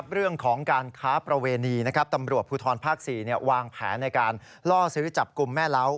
เรื่องของการค้าประเวณีตำรวจภูทรภาค๔วางแผนในการล่อซื้อจับกลุ่มแม่เล้า